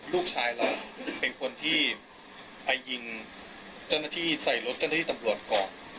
ลูกชายเราเป็นคนที่ไปยิงเจ้าหน้าที่ใส่รถเจ้าหน้าที่ตำรวจก่อน